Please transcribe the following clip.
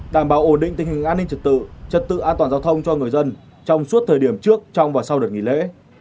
đảm bảo ổn định tình hình an ninh trật tự trật tự an toàn giao thông cho người dân trong suốt thời điểm trước trong và sau đợt nghỉ lễ